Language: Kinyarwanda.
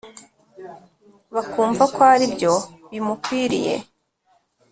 bakumva ko ari byo bimukwiriye